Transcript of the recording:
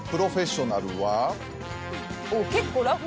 結構ラフ。